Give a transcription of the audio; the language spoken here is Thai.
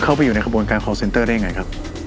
เข้าไปอยู่ในขบวนการคอลเซนเตอร์ได้ยังไงครับ